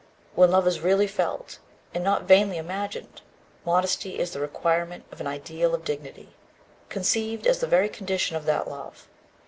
When love is really felt, and not vainly imagined, modesty is the requirement of an ideal of dignity, conceived as the very condition of that love.